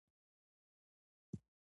وخت د سم مدیریت غوښتنه کوي